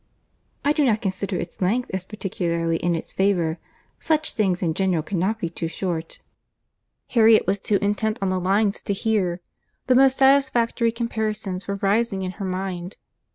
"I do not consider its length as particularly in its favour. Such things in general cannot be too short." Harriet was too intent on the lines to hear. The most satisfactory comparisons were rising in her mind.